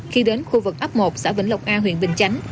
khi đến khu vực ấp một xã vĩnh lộc a huyện bình chánh